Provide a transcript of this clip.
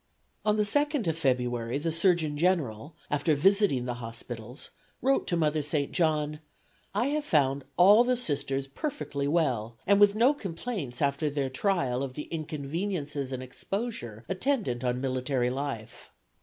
On the 2d of February the Surgeon General, after visiting the hospitals, wrote to Mother St. John: "I have found all the Sisters perfectly well, and with no complaints after their trial of the inconveniences and exposure attendant on military life.